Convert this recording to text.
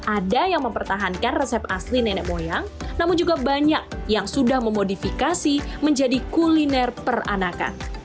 ada yang mempertahankan resep asli nenek moyang namun juga banyak yang sudah memodifikasi menjadi kuliner peranakan